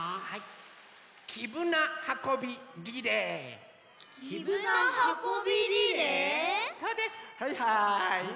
はい。